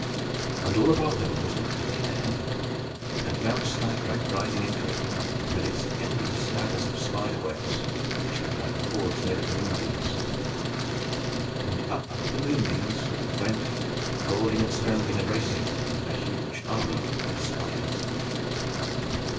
And all above them was the clear heaven, and Mount Skycrack rising into it, with its endless ladders of spider webs, glittering like cords made of moonbeams. And up the moonbeams went, crawling, and scrambling, and racing, a huge army of huge spiders.